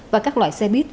và các loại xe bus